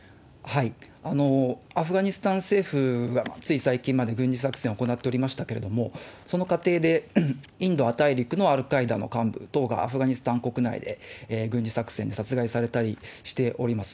アフガニスタン政府はつい最近まで軍事作戦を行っておりましたけれども、その過程でインド亜大陸のアルカイダの幹部等が、アフガニスタン国内で軍事作戦で殺害されたりしております。